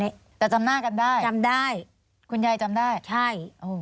อืมจำได้ขนาดนั้น